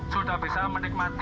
sudah bisa menikmati